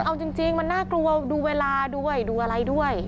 เอาจริงมันน่ากลัวดูเวลาด้วยดูอะไรด้วย